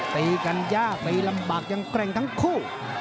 ตีกันยากตีลำบากยังแกร่งทั้งคู่